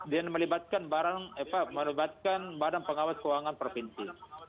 dan melibatkan barang apa melibatkan badan pengawas keuangan provinsi